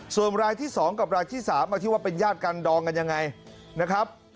ส่วนรายที่๒กับรายที่๓มาที่ว่าเป็นญาติกันดองกันยังไงนะครับ